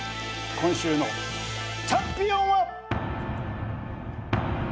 今週のチャンピオンは。